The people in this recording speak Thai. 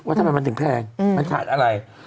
ทำไมมันถึงแพงมันขาดอะไร